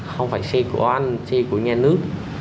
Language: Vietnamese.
không phải xe của anh xe của nhà nước